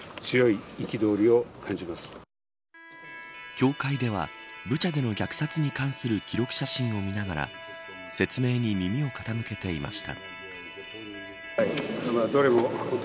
教会ではブチャでの虐殺に関する記録写真を見ながら説明に耳を傾けていました。